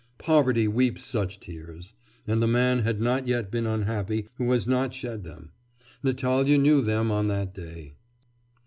Poverty weeps such tears; and the man has not yet been unhappy who has not shed them. Natalya knew them on that day.